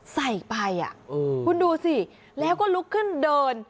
ใส่ไปคุณดูสิแล้วก็ลุกขึ้นเดิน